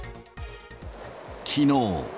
きのう。